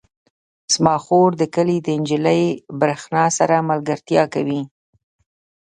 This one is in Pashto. زما خور د کلي د نجلۍ برښنا سره ملګرتیا کوي.